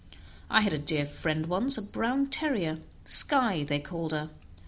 I had a dear friend once, a brown terrier; 'Skye' they called her.